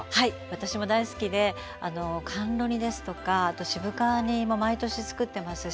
私も大好きで甘露煮ですとか渋皮煮も毎年つくってますし。